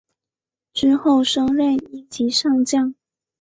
之后升任一级上将。